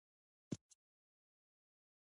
ایا د رومان اتلان په رښتیا هم په تاریخ کې وو؟